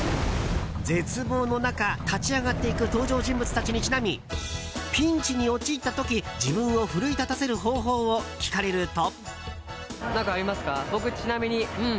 絶望の中、立ち上がっていく登場人物たちにちなみピンチに陥った時自分を奮い立たせる方法を聞かれると。